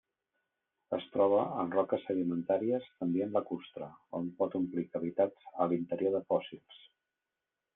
Es troba en roques sedimentàries d'ambient lacustre, on pot omplir cavitats a l'interior de fòssils.